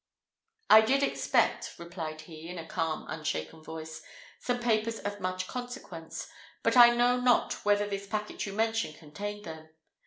"I did expect," replied he, in a calm, unshaken voice, "some papers of much consequence, but I know not whether this packet you mention contained them.